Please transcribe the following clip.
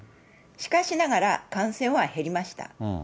しかしながら感染は減りました。